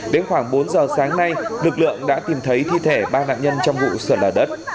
đến khoảng bốn giờ sáng nay lực lượng đã tìm thấy thi thể ba nạn nhân trong vụ sạt lở đất